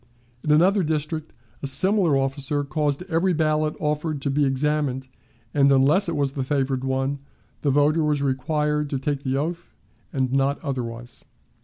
In another district a similar officer caused every ballot offered to be examined, and, unless it was the favored one, the voter was required to take the oath, and not otherwise.